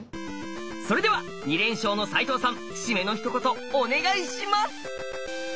それでは２連勝の齋藤さんシメの一言お願いします！